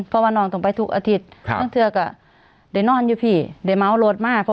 พอวันนอนตรงไปทุกอาทิตย์ตั้งเธอก็ได้นอนอยู่พี่ได้มาอาวุธมาพอวันเมียบัตทานหุดจัดทางมา